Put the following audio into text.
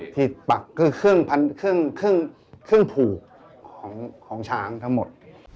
ที่ปักคือเครื่องผูกของช้างทั้งหมด